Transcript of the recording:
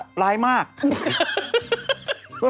ตบปากมันซักทีหนึ่ง